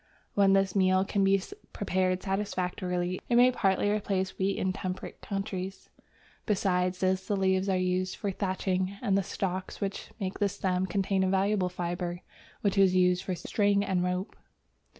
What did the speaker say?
When this meal can be prepared satisfactorily, it may partly replace wheat in temperate countries. Besides this, the leaves are used for thatching, and the stalks which make the stem contain a valuable fibre which is used for string and rope.